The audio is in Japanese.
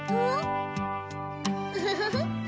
ウフフフ。